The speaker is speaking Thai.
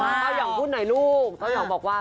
เต้ายองพูดหน่อยลูกเต้ายองบอกว่า